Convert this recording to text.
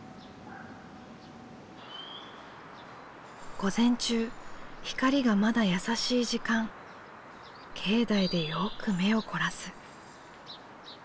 午前中光がまだ優しい時間境内でよく目を凝らす。